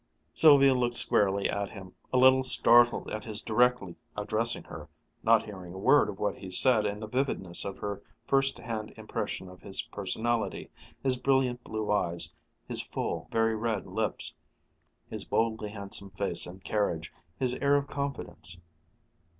Sylvia looked squarely at him, a little startled at his directly addressing her, not hearing a word of what he said in the vividness of her first hand impression of his personality, his brilliant blue eyes, his full, very red lips, his boldly handsome face and carriage, his air of confidence.